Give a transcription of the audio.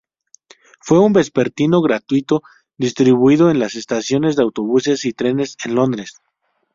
Fue un vespertino gratuito distribuido en las estaciones de autobuses y trenes en Londres.